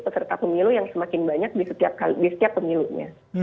peserta pemilu yang semakin banyak di setiap pemilunya